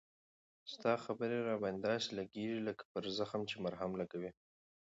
ستا خبري را باندي داسی لګیږي لکه پر زخم چې مرهم لګوې